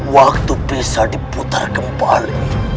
waktu bisa diputar kembali